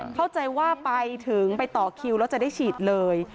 เข้าใจว่าไปถึงไปต่อคิวแล้วจะได้ฉีดเลย